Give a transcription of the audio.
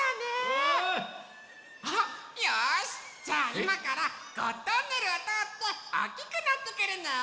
うん！あっよしじゃあいまからゴットンネルをとおっておっきくなってくるね！